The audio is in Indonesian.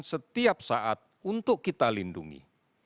setiap saat untuk kita lindungi